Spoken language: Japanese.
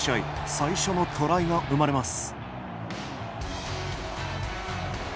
最初のトライが生まれます。